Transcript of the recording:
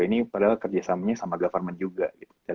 ini padahal kerjasamanya sama government juga